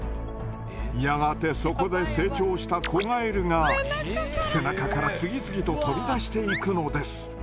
やがてそこで成長した子ガエルが背中から次々と飛び出していくのです。